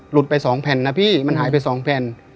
ไป๒แผ่นนะพี่มันหายไป๒แผ่น